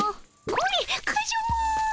これカジュマ。